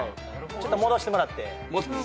ちょっと戻してもらって。